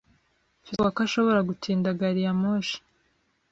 Mfite ubwoba ko ashobora gutinda gari ya moshi.